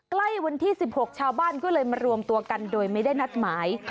ใกล้วันที่๑๖ชาวบ้านก็เลยมารวมตัวกันโดยไม่ได้นัดหมาย